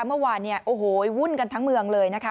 เมื่อวานเนี่ยโอ้โหวุ่นกันทั้งเมืองเลยนะคะ